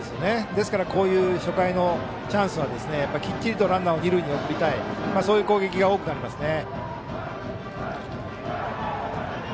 ですから、初回のチャンスはきっちりランナーを二塁に送りたいという攻撃が多くなりますね。